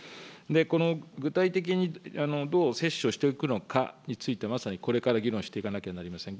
この具体的にどう接種をしていくのかについて、まさにこれから議論していかなければなりません。